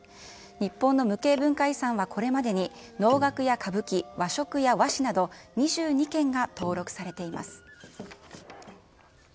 日本の無形文化遺産はこれまでに能楽や歌舞伎、和食や和紙など、２２件が登録されています。